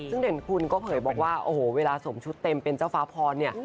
ซึ่งเด่นคุณก็เผยบอกว่าโอ้โหเวลาสวมชุดเต็มเป็นเจ้าฟ้าพรเนี่ย